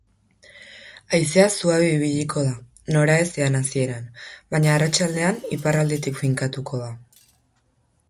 Haizea suabe ibiliko da, noraezean hasieran, baina arratsaldean iparraldetik finkatuko da.